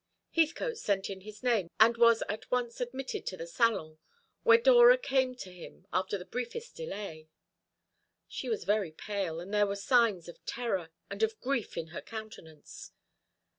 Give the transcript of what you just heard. Heathcote sent in his name, and was at once admitted to the salon, where Dora came to him after the briefest delay. She was very pale, and there were signs of terror, and of grief in her countenance.